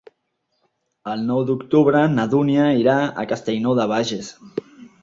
El nou d'octubre na Dúnia irà a Castellnou de Bages.